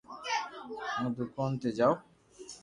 ھون دوڪون تو جاو